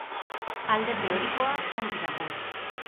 Alde teorikoa ongi dago.